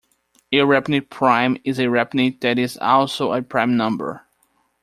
A repunit prime is a repunit that is also a prime number.